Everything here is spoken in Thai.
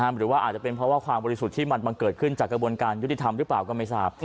หรือว่าอาจจะเป็นเพราะว่าความบริสุทธิ์ที่มันเกิดขึ้นจากกระบวนการยุติธรรมหรือเปล่าก็ไม่ทราบ